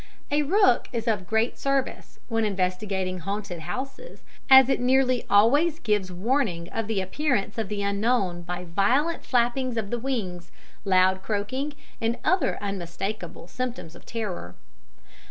A rook is of great service, when investigating haunted houses, as it nearly always gives warning of the appearance of the Unknown by violent flappings of the wings, loud croaking, and other unmistakable symptoms of terror.